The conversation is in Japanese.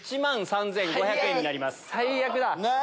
最悪だ！